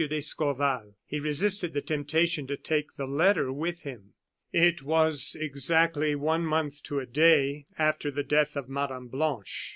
d'Escorval. He resisted the temptation to take the letter with him. It was exactly one month to a day after the death of Mme. Blanche.